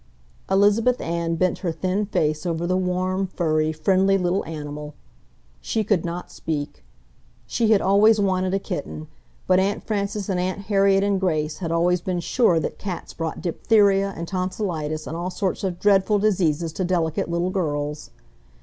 Elizabeth Ann bent her thin face over the warm, furry, friendly little animal. She could not speak. She had always wanted a kitten, but Aunt Frances and Aunt Harriet and Grace had always been sure that cats brought diphtheria and tonsilitis and all sorts of dreadful diseases to delicate little girls.